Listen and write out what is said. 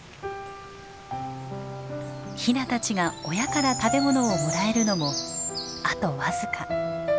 ヒナたちが親から食べ物をもらえるのもあと僅か。